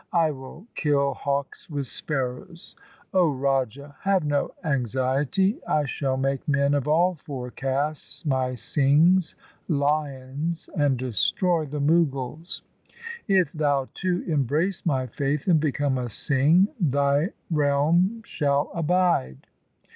I will kill hawks with sparrows. O Raja, have no anxiety. I shall make men of all four castes my Singhs (lions) and destroy the Mughals. If thou too embrace my faith and become a Singh, thy realm shall abide.'